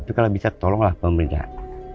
itu kalau bisa tolonglah pemerintah